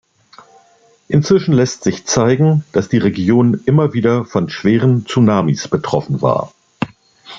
Inzwischen lässt sich zeigen, dass die Region immer wieder von schweren Tsunamis betroffen war.